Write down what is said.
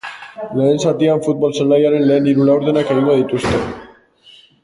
Lehen zatian futbol zelaiaren lehen hiru laurdenak egingo dituzte.